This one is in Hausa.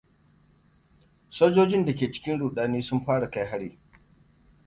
Sojojin da ke cikin rudani sun fara kai hari.